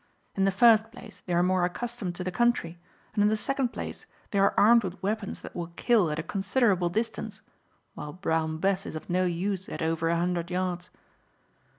In the first place they are more accustomed to the country, and in the second place they are armed with weapons that will kill at a considerable distance, while Brown Bess is of no use at over a hundred yards.